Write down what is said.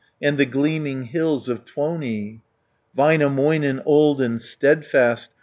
And the gleaming hills of Tuoni. Väinämöinen, old and steadfast.